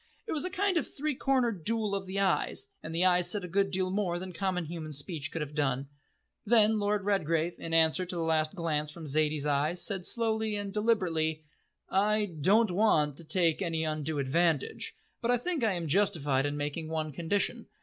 It was a kind of three cornered duel of eyes, and the eyes said a good deal more than common human speech could have done. Then Lord Redgrave, in answer to the last glance from Zaidie's eyes, said slowly and deliberately: "I don't want to take any undue advantage, but I think I am justified in making one condition.